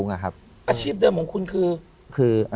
อาชีพเดิมของคุณคือ